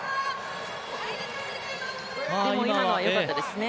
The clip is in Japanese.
でも今のはよかったですね。